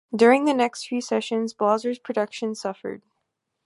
During the next few seasons, Blauser's production suffered.